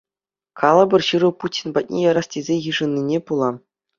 Калӑпӑр ҫыру Путин патне ярас тесе йышӑннине пула.